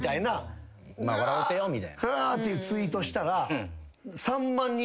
うわ！っていうツイートしたら。